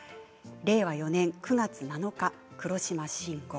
令和４年９月７日黒島伸悟。